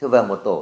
và một tổ